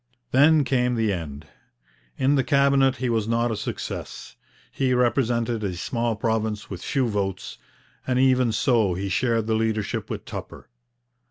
Then came the end. In the Cabinet he was not a success. He represented a small province with few votes, and even so he shared the leadership with Tupper.